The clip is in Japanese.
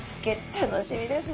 楽しみですね。